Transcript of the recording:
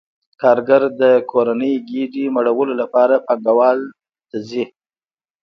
کارګر د کورنۍ ګېډې مړولو لپاره پانګوال ته ځي